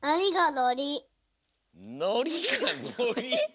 「のりがのり」！